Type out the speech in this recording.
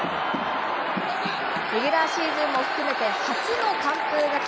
レギュラーシーズンも含めて、初の完封勝ち。